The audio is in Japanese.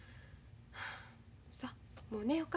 さあもう寝ようか。